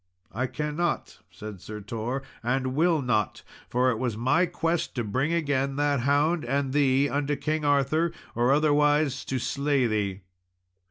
"I cannot," said Sir Tor, "and will not, for it was my quest to bring again that hound and thee unto King Arthur, or otherwise to slay thee."